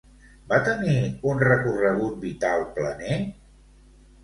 Va tenir un recorregut vital planer?